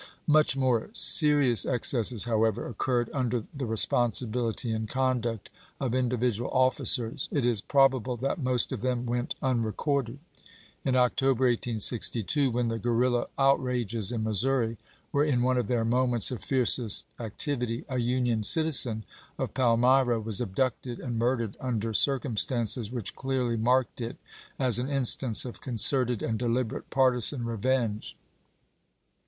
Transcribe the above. Much, more serious excesses, however, occurred under the responsibility and conduct of individual officers ; it is probable that most of them went un recorded. In October, 1862, when the guerrilla outrages in Missouri were in one of their moments of fiercest activity, a Union citizen of Palmyra was abducted and murdered under circumstances which clearly marked it as an instance of concerted and deliberate partisan revenge.